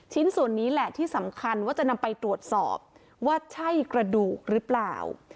ชิ้นส่วนนี้แหละที่สำคัญว่าจะนำไปตรวจสอบว่าใช่กระดูกหรือเปล่า